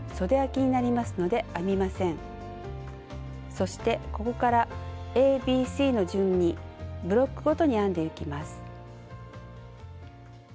そしてここからＡＢＣの順にブロックごとに編んでいきます。